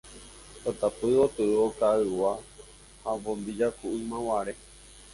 tatapy gotyo ka'ygua ha bombilla ku ymaguare